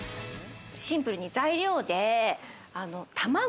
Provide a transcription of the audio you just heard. シンプルに材料で卵。